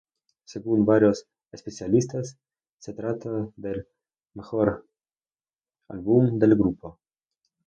Según varios especialistas, se trata del mejor álbum del grupo.